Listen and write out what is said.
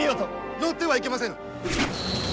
乗ってはいけませぬ！